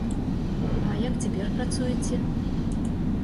А як цяпер працуеце?